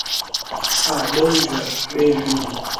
aa bei zaa bei duni